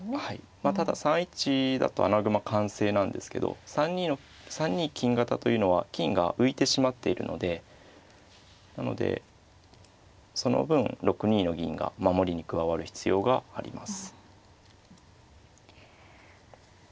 まあただ３一だと穴熊完成なんですけど３二金型というのは金が浮いてしまっているのでなのでその分６二の銀が守りに加わる必要があります。